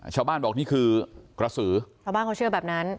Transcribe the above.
ชาวบ้านบอกนี่คือกระสือชาวบ้านเขาเชื่อแบบนั้น